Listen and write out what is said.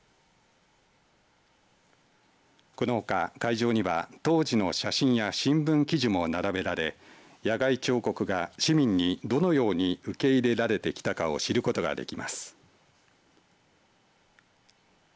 このほか、会場には当時の写真や新聞記事も並べられ野外彫刻が市民にどのように受け入れられてきたかを知ることができます。